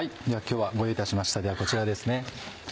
では今日はご用意いたしましたこちらですね。